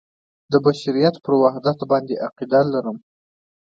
د بشریت پر وحدت باندې عقیده لرم.